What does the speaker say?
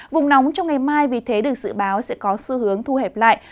vùng nóng trong ngày mai vì thế được dự báo sẽ có xu hướng thu hẹp lại